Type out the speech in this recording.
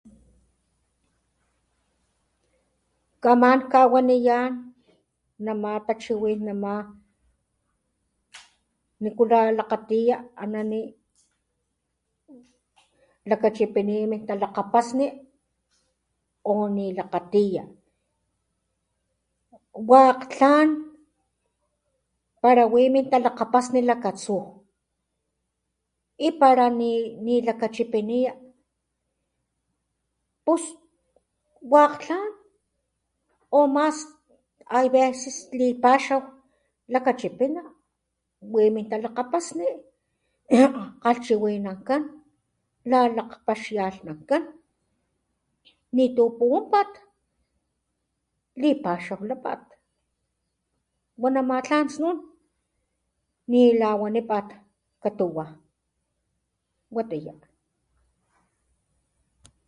Kawaniya nema tachiwín nema nikulá lakgatiya anani lakgachipini nita lakgapasni u ni lakgatiya. Wekg tlan pala wintalakgapasni lakatsú y para ni lakapachipiniya pus wekg tlan o mas [...] lipaxaw lakgachipina wi lakgalakapasni kachiwinankán na ni akpakxankán ni tu ku untan lipaxaklatak wana ma tlan snun ni la wanipan watiyá.